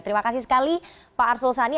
terima kasih sekali pak arsul sani